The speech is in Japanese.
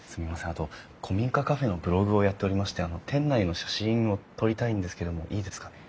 あと古民家カフェのブログをやっておりまして店内の写真を撮りたいんですけどもいいですかね？